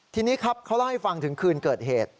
ทีนี้ครับเขาเล่าให้ฟังถึงคืนเกิดเหตุ